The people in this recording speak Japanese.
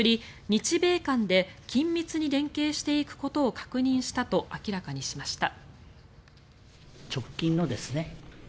日米間で緊密に連携していくことを確認したと明らかにしました。